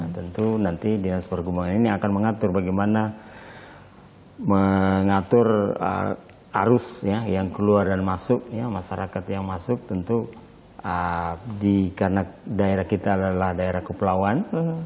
tentu nanti dinas perhubungan ini akan mengatur bagaimana mengatur arus yang keluar dan masuk masyarakat yang masuk tentu karena daerah kita adalah daerah kepulauan